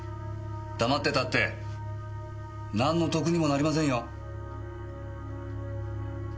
黙ってたってなんの得にもなりませんよ。